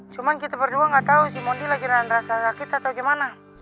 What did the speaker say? cuman kita berdua gak tau si mondi lagi nganas rasa sakit atau gimana